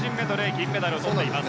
銀メダルを取っています。